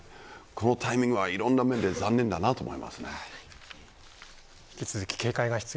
このタイミングはいろんな面で残念だと思います。